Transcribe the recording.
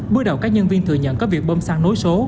bước đầu các nhân viên thừa nhận có việc bơm xăng nối số